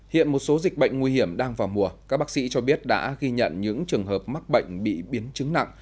hiện một số dịch bệnh nguy hiểm đang vào mùa các bác sĩ cho biết đã ghi nhận những trường hợp mắc bệnh bị biến chứng nặng